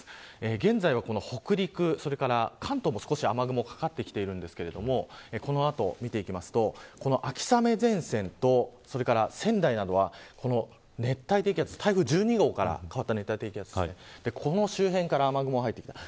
現在は北陸、それから関東も少し雨雲がかかってきていますがこの後、見ていきますとこの秋雨前線と仙台などは熱帯低気圧、台風１２号から変わった熱帯低気圧この周辺から雨雲が入ってきます。